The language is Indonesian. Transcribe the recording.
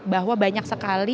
bahwa banyak sekali